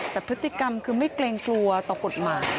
แต่พฤติกรรมคือไม่เกรงกลัวต่อกฎหมาย